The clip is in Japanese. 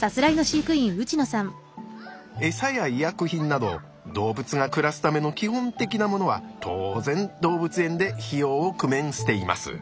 エサや医薬品など動物が暮らすための基本的なものは当然動物園で費用を工面しています。